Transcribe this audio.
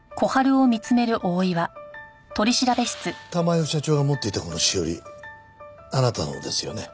珠代社長が持っていたこのしおりあなたのですよね？